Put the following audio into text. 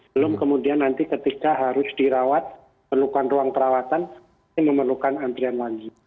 belum kemudian nanti ketika harus dirawat perlukan ruang perawatan ini memerlukan antrian lagi